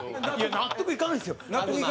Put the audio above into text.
納得いかないんですか？